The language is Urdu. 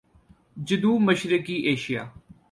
جنوب مشرقی ایشیا